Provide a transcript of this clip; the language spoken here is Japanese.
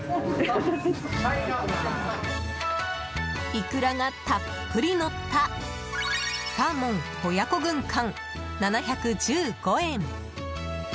イクラがたっぷりのったサーモン親子軍艦、７１５円。